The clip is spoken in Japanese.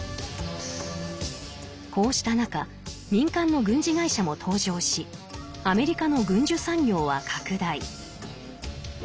こうした中民間の軍事会社も登場しアメリカの軍需産業は拡大。